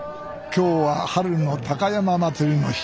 今日は春の高山祭の日。